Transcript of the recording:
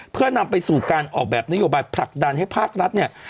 เพื่อนำไปสู่การออกแบบนโยบายผลักดันให้ภาครัฐเนี่ย